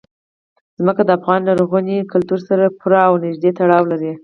ځمکه د افغان لرغوني کلتور سره پوره او نږدې تړاو لري.